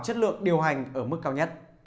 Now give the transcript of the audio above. chất lượng điều hành ở mức cao nhất